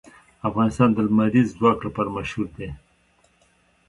افغانستان د لمریز ځواک لپاره مشهور دی.